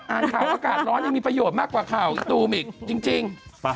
อ่านข่าวอากาศร้อนยังมีประโยชน์มากกว่าข่าวอีตูมอีกจริง